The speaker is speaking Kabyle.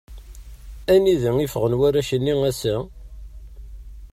Anda i ffɣen warrac-nni ass-a?